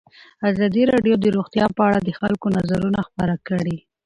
ازادي راډیو د روغتیا په اړه د خلکو نظرونه خپاره کړي.